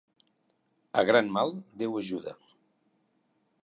A gran mal, Déu ajuda.